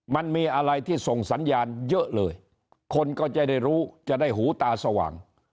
มันมีอะไรที่ส่งสัญญาณเยอะเลยคนก็จะได้รู้จะได้หูตาสว่าง